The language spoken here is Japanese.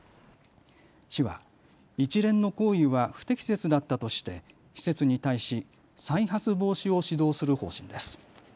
市は一連の行為は不適切だったとして施設に対し再発防止を指導する方針です。